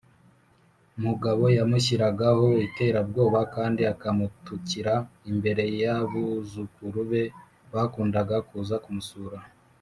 mugabo yamushyiragaho iterabwoba kandi akamutukira imbere y’ abuzukuru be bakundaga kuza kumusura